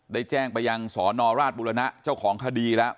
ได้แจ้งไปยังสนราชบุรณะเจ้าของคดีแล้ว